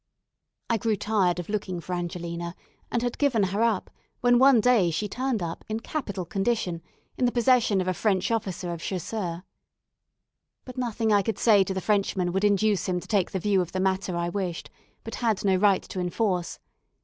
I grew tired of looking for Angelina, and had given her up, when one day she turned up, in capital condition, in the possession of a French officer of Chasseurs. But nothing I could say to the Frenchman would induce him to take the view of the matter I wished, but had no right to enforce.